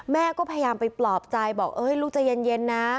แม่ก็พยายามไปปลอบใจบอกลูกใจเย็นนะ